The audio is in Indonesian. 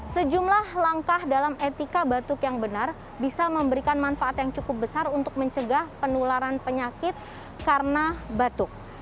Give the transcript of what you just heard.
sejumlah langkah dalam etika batuk yang benar bisa memberikan manfaat yang cukup besar untuk mencegah penularan penyakit karena batuk